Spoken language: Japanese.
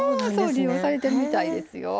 利用されてるみたいですよ。